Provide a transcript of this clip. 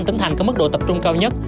tỉnh thành có mức độ tập trung cao nhất